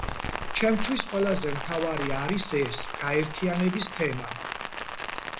ჩემთვის ყველაზე მთავარი არის ეს, გაერთიანების თემა.